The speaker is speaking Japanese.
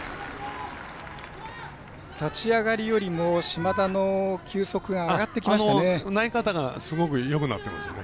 立ち上がりよりも島田の球速が上がってきましたね。